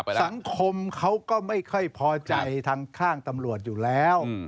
สังคมเขาก็ไม่ค่อยพอใจทางข้างตำรวจอยู่แล้ว